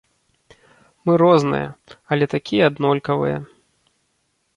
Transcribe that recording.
Мы розныя, але такія аднолькавыя.